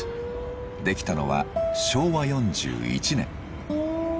出来たのは昭和４１年。